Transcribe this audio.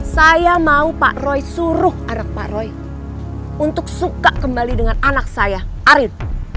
saya mau pak roy suruh anak pak roy untuk suka kembali dengan anak saya arit